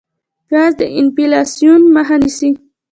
پیاز د انفلاسیون مخه نیسي